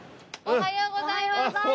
おはようございます！